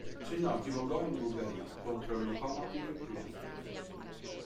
Segnò il primo goal in Bulgaria contro il Lokomotiv Plovdiv.